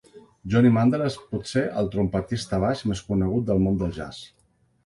Johnny Mandel és potser el trompetista baix més conegut del món del jazz.